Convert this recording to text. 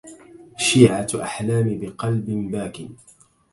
شيعت أحلامي بقلب باك